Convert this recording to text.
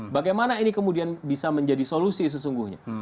bagaimana ini kemudian bisa menjadi solusi sesungguhnya